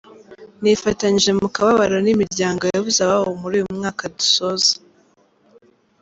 Nifatanyije mu kababaro n’imiryango yabuze ababo muri uyu mwaka dusoza.